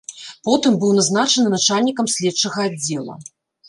Потым быў назначаны начальнікам следчага аддзела.